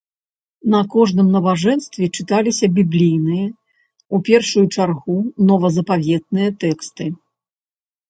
На кожным набажэнстве чыталіся біблійныя, у першую чаргу, новазапаветныя тэксты.